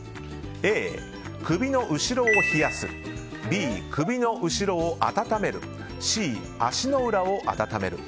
Ａ、首の後ろを冷やすＢ、首の後ろを温めるＣ、足の裏を温める。